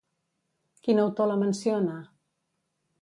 Quin autor la menciona?